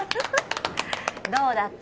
どうだった？